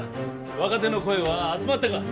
若手の声は集まったか？